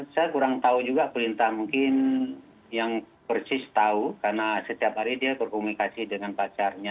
saya kurang tahu juga perintah mungkin yang persis tahu karena setiap hari dia berkomunikasi dengan pacarnya